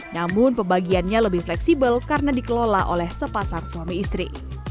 namun pembagiannya lebih fleksibel karena dikelola oleh sepasang suami istri